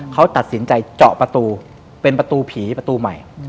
เขาตัดสินใจเจาะประตูเป็นประตูผีประตูใหม่